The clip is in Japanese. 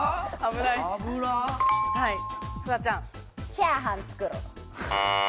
チャーハン作る。